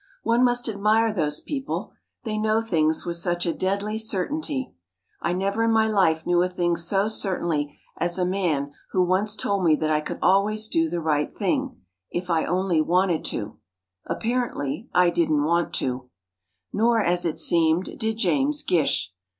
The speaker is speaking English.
One must admire those people; they know things with such a deadly certainty. I never in my life knew a thing so certainly as a man who once told me that I could always do the right thing, if I only wanted to. Apparently I didn't want to. Nor, as it seemed, did James Gish.